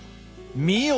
見よ！